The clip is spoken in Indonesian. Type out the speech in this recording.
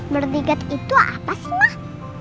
bodyguard itu apa sih mas